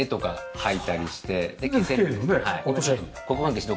はい。